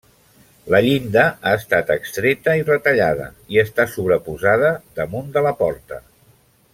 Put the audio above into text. La llinda ha estat extreta i retallada, i està sobreposada damunt de la porta.